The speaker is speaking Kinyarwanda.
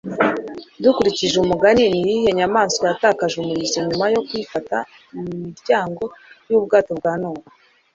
Dukurikije Umugani Niyihe nyamaswa yatakaje umurizo nyuma yo kuyifata mumiryango yubwato bwa Nowa?